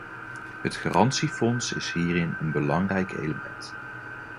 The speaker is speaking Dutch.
Het garantiefonds is hierin een belangrijk element.